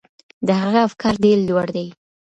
د هغه افکار ډیر لوړ دي.